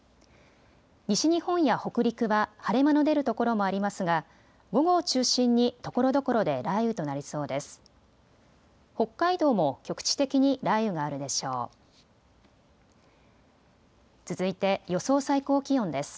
西日本や北陸は晴れ間の出る所もありますが午後を中心にところどころで雷雨となりそうです。